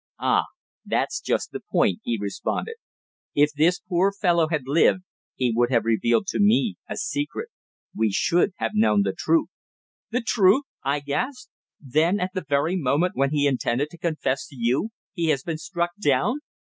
"Ah! that's just the point," he responded. "If this poor fellow had lived he would have revealed to me a secret we should have known the truth!" "The truth!" I gasped. "Then at the very moment when he intended to confess to you he has been struck down."